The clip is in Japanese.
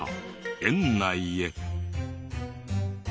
園内へ。